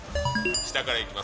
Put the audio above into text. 下からいきます。